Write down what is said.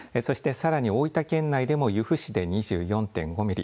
さらに大分県内でも由布市で２４．５ミリ